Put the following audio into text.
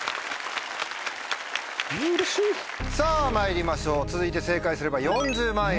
さぁまいりましょう続いて正解すれば４０万円です。